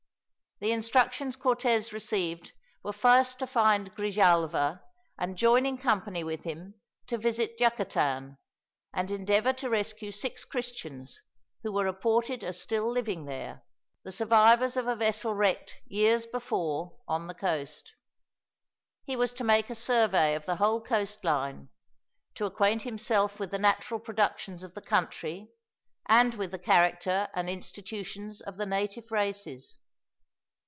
The instructions Cortez received were first to find Grijalva and, joining company with him, to visit Yucatan, and endeavor to rescue six Christians who were reported as still living there, the survivors of a vessel wrecked, years before, on the coast. He was to make a survey of the whole coastline, to acquaint himself with the natural productions of the country, and with the character and institutions of the native races.